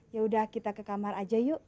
yaudah kita ke kamar aja yuk